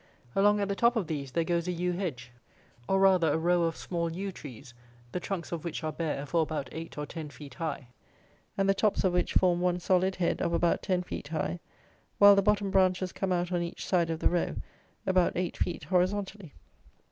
Along at the top of these there goes a yew hedge, or, rather, a row of small yew trees, the trunks of which are bare for about eight or ten feet high, and the tops of which form one solid head of about ten feet high, while the bottom branches come out on each side of the row about eight feet horizontally.